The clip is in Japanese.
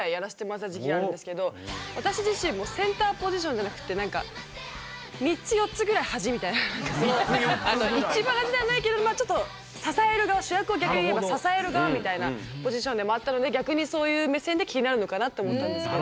私自身もセンターポジションじゃなくてなんか一番端ではないけどちょっと支える側主役を支える側みたいなポジションでもあったので逆にそういう目線で気になるのかなって思ったんですけど。